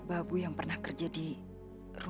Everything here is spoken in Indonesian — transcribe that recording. sujarahan banget itu deh bro